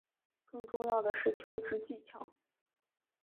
更重要的是求职技巧